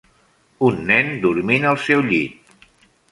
Un nen dormint al seu llit.